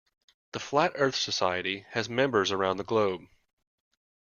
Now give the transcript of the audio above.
The Flat Earth Society has members around the globe.